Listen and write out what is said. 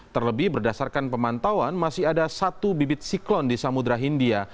terlebih berdasarkan pemantauan masih ada satu bibit siklon di samudera hindia